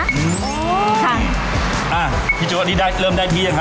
ค่ะอ่ะพี่จู๊คอดี้ได้เริ่มได้ที่ยังครับ